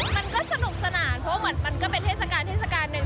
มันก็สนุกสนานเพราะว่ามันก็เป็นเทศกาลหนึ่ง